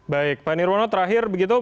baik pak nirwono terakhir begitu